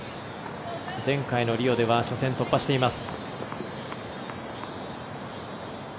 前回のリオでは初戦突破しています。